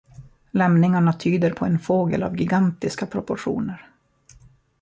Lämningarna tyder på en fågel av gigantiska proportioner.